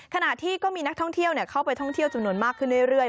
ขณะที่ก็มีนักท่องเที่ยวเข้าไปท่องเที่ยวจำนวนมากขึ้นเรื่อย